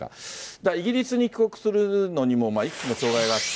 じゃあ、イギリスに帰国するのかも、いくつも障害があって。